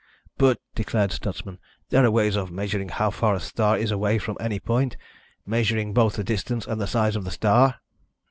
"But," declared Stutsman, "there are ways of measuring how far a star is away from any point, measuring both the distance and the size of the star."